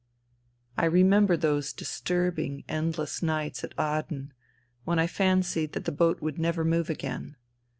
I remember those disturbing, endless nights at Aden, when I fancied that the boat would never move again.